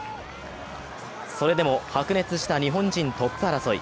それでも白熱した日本人トップ争い。